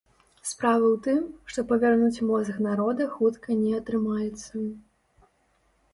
Справа ў тым, што павярнуць мозг народа хутка не атрымаецца.